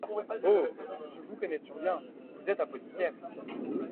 Oh ! je vous connaissions bien … vous êtes l'apothicaire …